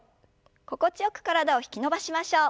心地よく体を引き伸ばしましょう。